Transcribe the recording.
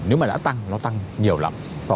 nếu mà đã tăng nó tăng nhiều lắm